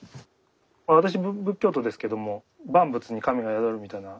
私仏教徒ですけども万物に神が宿るみたいな。